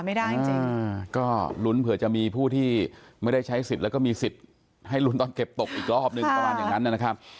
ไม่ได้จริงก็ลุ้นเผื่อจะมีผู้ที่ไม่ได้ใช้สิทธิ์แล้วก็มีสิทธิ์ให้ลุ้นตอนเก็บตกอีกรอบนึงประมาณอย่างนั้นนะครับ